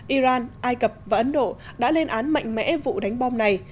iran ai cập và ấn độ đã lên án mạnh mẽ vụ đánh bom này